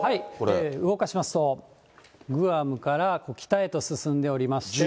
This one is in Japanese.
動かしますと、グアムから北へと進んでおりまして。